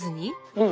うん。